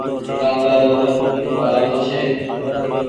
ڪآنگلآ رو رنگ ڪآڙو ڇي۔